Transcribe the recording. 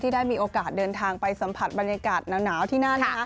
ได้มีโอกาสเดินทางไปสัมผัสบรรยากาศหนาวที่นั่น